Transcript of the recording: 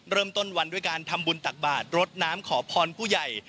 เริ่มต้นวันด้วยการทำบุญตักบาทรดน้ำขอพรผู้ใหญ่